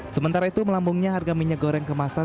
sementara itu melambungnya harga minyak goreng kemasan